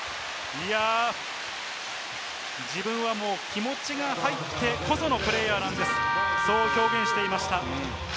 自分はもう気持ちが入ってこそのプレーヤーなんです、そう表現していました。